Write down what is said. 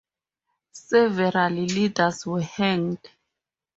Several leaders were hanged.